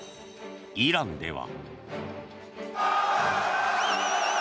イランでは。